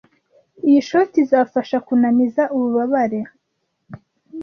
Iyi shoti izafasha kunaniza ububabare.